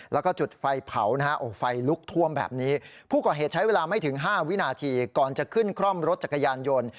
แล้วก็จุดไฟเผานะฮะไฟลุกท่วมแบบนี้ผู้ก่อเหตุใช้เวลาไม่ถึง๕วินาทีก่อนจะขึ้นคร่อมรถจักรยานยนต์